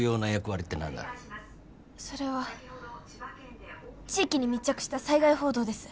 それは地域に密着した災害報道です。